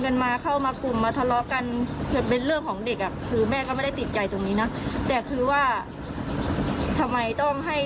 แล้วคุณครูว่าอย่างไร